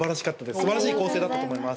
すばらしい構成だったと思います。